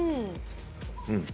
うん。